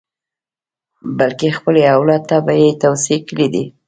بلکې خپل اولاد ته یې توصیې کړې دي.